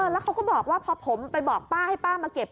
แล้วเขาก็บอกว่าพอผมไปบอกป้าให้ป้ามาเก็บ